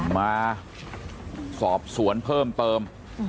มาสอบสวนเพิ่มเติม